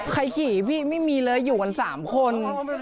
ขี่พี่ไม่มีเลยอยู่กัน๓คน